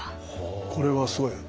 これはすごい。